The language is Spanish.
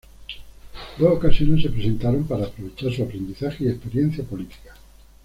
Dos ocasiones se presentaron para aprovechar su aprendizaje y experiencia política.